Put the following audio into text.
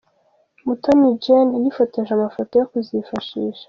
Mutoni Jane yifotoje amafoto yo kuzifashisha.